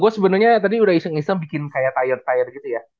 gue sebenernya tadi udah iseng iseng bikin kayak tayar tayar gitu ya